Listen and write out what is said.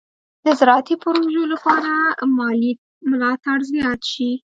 د زراعتي پروژو لپاره مالي ملاتړ زیات شي.